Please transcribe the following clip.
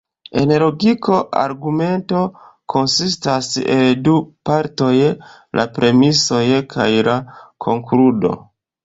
En logiko argumento konsistas el du partoj: la premisoj kaj la konkludo.